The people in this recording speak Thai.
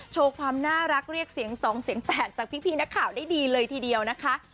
โชว์ความน่ารักเรียกเสียง๒เสียง๘จากพี่นักข่าวได้ดีเลยทีเดียวนะคะ